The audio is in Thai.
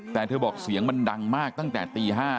แต่เธอบอกเสียงมันดังมากตั้งแต่ตี๕